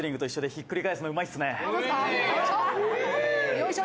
よいしょ！」